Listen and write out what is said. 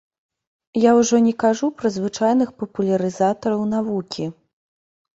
Я ўжо не кажу пра звычайных папулярызатараў навукі.